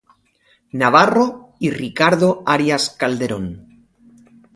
Navarro y Ricardo Arias Calderón.